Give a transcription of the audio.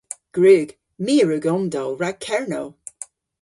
Gwrug. My a wrug omdowl rag Kernow.